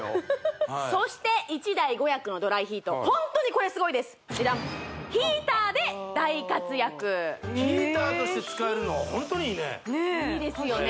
そして１台５役のドライヒートホントにこれすごいですヒーターで大活躍ヒーターとして使えるのホントにいいねいいですよね